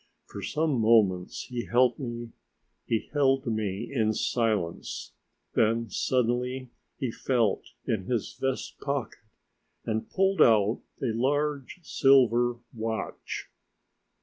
For some moments he held me in silence, then suddenly he felt in his vest pocket and pulled out a large silver watch.